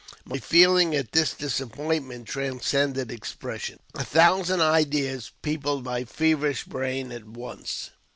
My feelings at this disappointment transcended expression. A thousand ideas peopled my feverish brain at once.